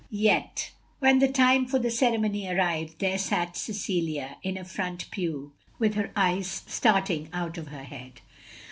Yet, when the time for the ceremony arrived, there sat Cecilia, in a front pew, with her eyes starting out of her head.